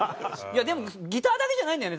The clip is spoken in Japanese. でもギターだけじゃないんだよね